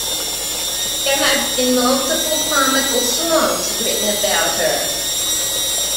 There have been multiple comical songs written about her.